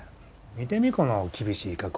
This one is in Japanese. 見てみこの厳しい加工。